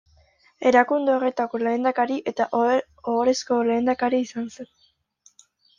Erakunde horretako lehendakari eta ohorezko lehendakari izan zen.